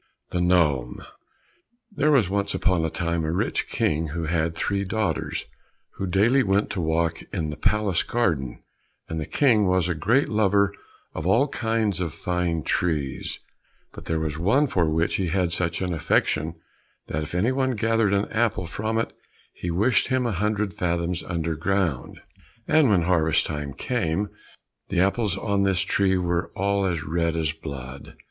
91 The Gnome There was once upon a time a rich King who had three daughters, who daily went to walk in the palace garden, and the King was a great lover of all kinds of fine trees, but there was one for which he had such an affection, that if anyone gathered an apple from it he wished him a hundred fathoms underground. And when harvest time came, the apples on this tree were all as red as blood.